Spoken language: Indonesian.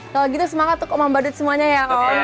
kalau gitu semangat untuk umat badut semuanya ya om